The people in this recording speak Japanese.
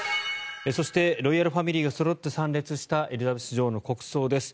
そして、ロイヤルファミリーがそろって参列したエリザベス女王の国葬です。